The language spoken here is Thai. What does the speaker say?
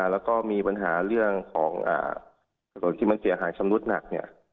แล้วก็มีปัญหาเรื่องของถนนที่มันเสียหายชำรุดหนักเนี่ย